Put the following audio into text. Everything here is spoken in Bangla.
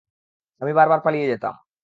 আমি বারবার পালিয়ে যেতাম।